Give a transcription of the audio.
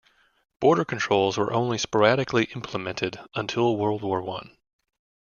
Border controls were only sporadically implemented until World War One.